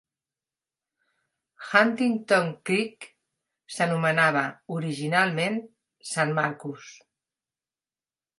Huntington Creek s'anomenava originalment San Marcus.